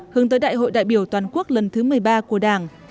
hướng tới đại hội đại biểu toàn quốc lần thứ một mươi ba của đảng